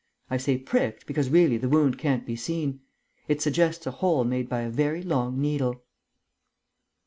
I say, 'pricked,' because really the wound can't be seen. It suggests a hole made by a very long needle."